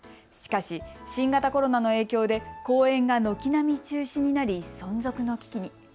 しかし、新型コロナの影響で公演が軒並み中止になり存続の危機に。